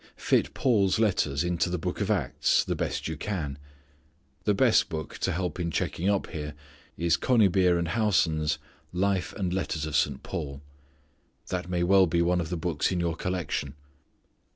Fit Paul's letters into the book of Acts, the best you can. The best book to help in checking up here is Conybeare and Howson's "Life and Letters of St. Paul." That may well be one of the books in your collection.